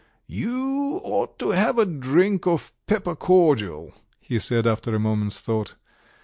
"You ought to have a drink of pepper cordial," he said, after a moment's thought.